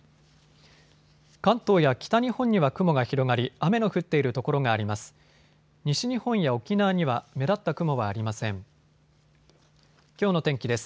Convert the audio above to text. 関東や北日本には雲が広がり雨の降っている所があります。